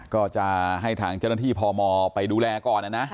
ก็จะให้ทางเจ้าหน้าที่พมไปดูแลก่อนนะ